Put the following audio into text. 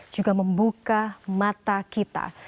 juga membuka mata kita